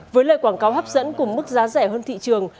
với lời quảng cáo hấp dẫn cùng mức giá rẻ hơn thị trường